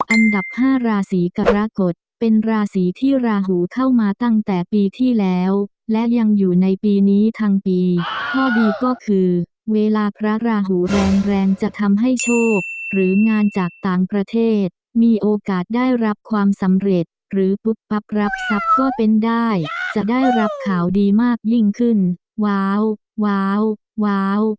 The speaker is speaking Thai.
อันดับ๕ราศีกรกฎเป็นราศีที่ราหูเข้ามาตั้งแต่ปีที่แล้วและยังอยู่ในปีนี้ทั้งปีข้อดีก็คือเวลาพระราหูแรงแรงจะทำให้โชคหรืองานจากต่างประเทศมีโอกาสได้รับความสำเร็จหรือปุ๊บพับรับทรัพย์ก็เป็นได้จะได้รับข่าวดีมากยิ่งขึ้นว้าวว้าว